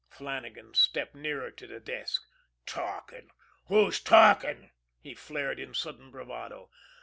Flannagan stepped nearer to the desk. "Talkin'! Who's talkin'?" he flared in sudden bravado.